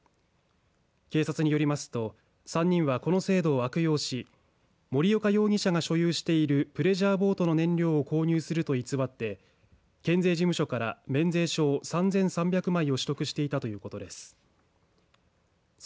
警察によりますと３人は、この制度を悪用し森岡容疑者が所有しているプレジャーボートの燃料を購入すると偽って県税事務所から免税証、３３００枚を取得していたということです。